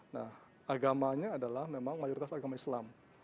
nah agamanya adalah memang mayoritas agama islam